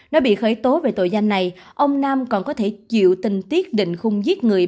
nói bị khởi tố về tội gian này ông nam còn có thể chịu tình tiết định không giết người